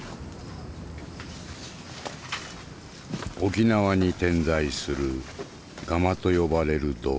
沖縄に点在するガマと呼ばれる洞窟。